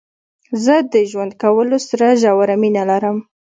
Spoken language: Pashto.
زه د ژوند کولو سره ژوره مينه لرم.